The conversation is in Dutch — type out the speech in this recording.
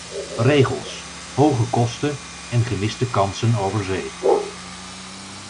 Regels, hoge kosten en gemiste kansen overzee.